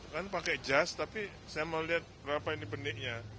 kan pakai jas tapi saya melihat berapa ini beniknya